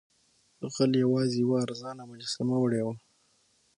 غل یوازې یوه ارزانه مجسمه وړې وه.